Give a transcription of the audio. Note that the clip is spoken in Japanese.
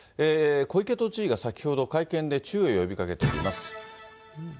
小池都知事が先ほど、会見で注意を呼びかけております。